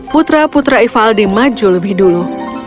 putra putra ivaldi maju lebih dulu